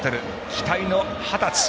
期待の二十歳。